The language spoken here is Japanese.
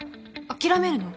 諦めるの？